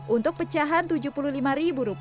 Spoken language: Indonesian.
untuk pecahan rp tujuh puluh lima